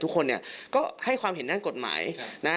ทุกคนเนี่ยก็ให้ความเห็นด้านกฎหมายนะ